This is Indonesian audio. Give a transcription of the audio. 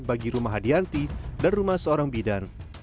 bagi rumah hadianti dan rumah seorang bidan